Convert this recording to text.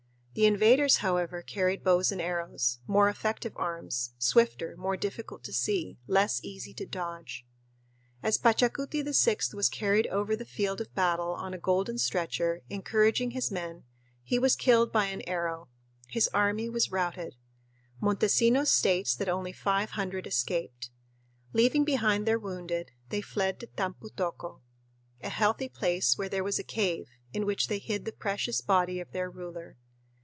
The invaders, however, carried bows and arrows, more effective arms, swifter, more difficult to see, less easy to dodge. As Pachacuti VI was carried over the field of battle on a golden stretcher, encouraging his men, he was killed by an arrow. His army was routed. Montesinos states that only five hundred escaped. Leaving behind their wounded, they fled to "Tampu tocco," a healthy place where there was a cave, in which they hid the precious body of their ruler.